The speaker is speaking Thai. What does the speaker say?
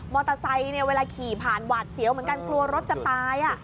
มอเตอร์ไซส์เวลาขี่ผ่านหวาดเสียวเหมือนกันกลัวรถจะตาย